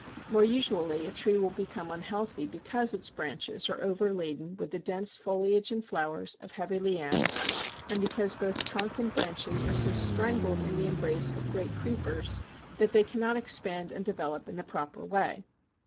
More usually, a tree will become unhealthy because its branches are overladen with the dense foliage and flowers of heavy lianes, and because both trunk and branches are so strangled in the embrace of great creepers that they cannot expand and develop in the proper way.